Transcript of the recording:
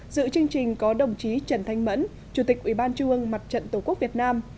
dự chương trình có đồng chí trần thanh mẫn chủ tịch ủy ban trung ương mặt trận tổ quốc việt nam